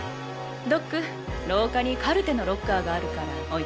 ドック廊下にカルテのロッカーがあるから置いてきて。